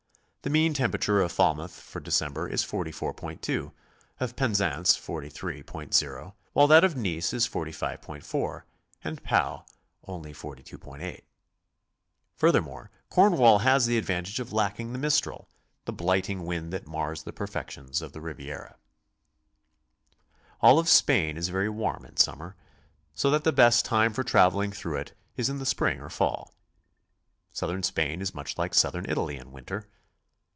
The mean temperature of Falmouth for December is 44.2, of Penzance 43.0, wihile that of Nice is 45.4, and Pau only 42.8. Furthermore, Corn wall has the advantage of lacking the mistral, the blighting wind that mars the perfections of the Riviera. All of Spain is very warm in summer, so that the best time for traveling through it is in the spring or fall. South ern Spain is much like Southern Italy in winter.